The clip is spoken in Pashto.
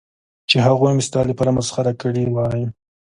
چې هغوی مې ستا لپاره مسخره کړې وای.